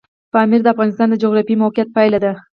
پامیر د افغانستان د جغرافیایي موقیعت پایله ده.